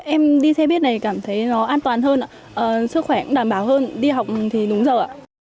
em đi xe buýt này cảm thấy nó an toàn hơn sức khỏe cũng đảm bảo hơn đi học thì đúng giờ ạ